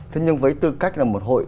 thế nhưng với tư cách là một hội